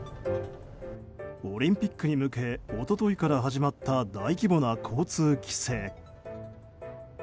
オリンピックに向け一昨日から始まった大規模な交通規制。